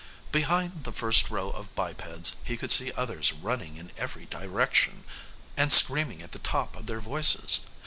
Behind the first row of bipeds, he could see others running in every direction, and screaming at the top of their voices.